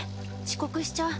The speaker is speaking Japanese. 遅刻しちゃう。